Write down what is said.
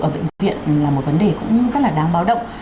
ở bệnh viện là một vấn đề cũng rất là đáng báo động